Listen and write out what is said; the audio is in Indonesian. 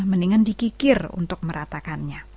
mendingan dikikir untuk meratakannya